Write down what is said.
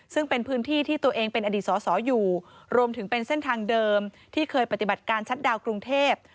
ซึ่งเป็นพื้นที่ที่ตัวเองเป็นอดีตสอสออยู่รวมถึงเป็นเส้นทางเดิมที่เคยปฏิบัติการชัดดาวนกรุงเทพ